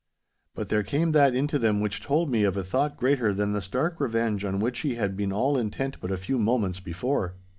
But there came that into them which told me of a thought greater than the stark revenge on which he had been all intent but a few moments before.